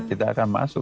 kita akan masuk